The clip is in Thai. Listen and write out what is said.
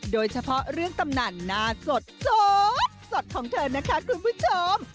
โดยเฉพาะเรื่องตำนานหน้าสดสดของเธอนะคะคุณผู้ชม